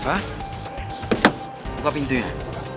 eva buka pintunya